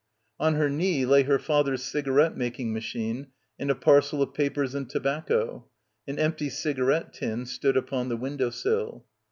On her knee lay her father's cigarette making machine and a parcel of papers and tobacco. An empty cigarette tin stood upon the window sill.